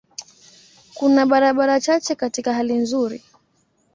Kuna barabara chache katika hali nzuri.